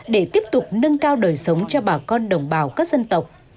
để tiếp tục nâng cao đời sống cho bà con đồng bào các dân tộc